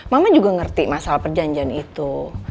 mama juga ngerti masalah perjanjian itu